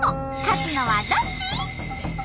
勝つのはどっち！？